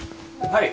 はい。